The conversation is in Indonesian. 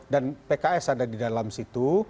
dan pks ada di dalam situ